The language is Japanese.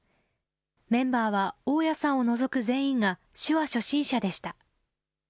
メンバーは大屋さんを除く全員が、手話初心者でした。